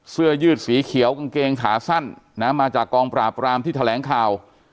เสื้อยืดสีเขียวกางเกงขาสั้นนะมาจากกองปราบรามที่แถลงข่าว